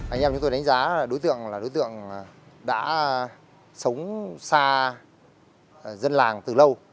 anh em chúng tôi đánh giá đối tượng là đối tượng đã sống xa dân làng từ lâu